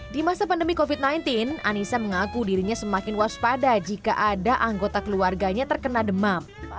di masa pandemi covid sembilan belas anissa mengaku dirinya semakin waspada jika ada anggota keluarganya terkena demam